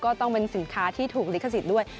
ก็ต้องเป็นสินค้าที่ถูกลิขสิทธิ์ด้วย